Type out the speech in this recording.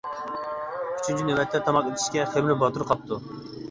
ئۈچىنچى نۆۋەتتە تاماق ئېتىشكە خېمىر باتۇر قاپتۇ.